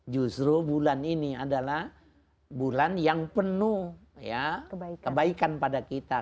justru bulan ini adalah bulan yang penuh kebaikan pada kita